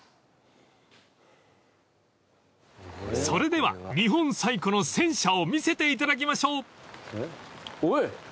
［それでは日本最古の戦車を見せていただきましょう］えっ？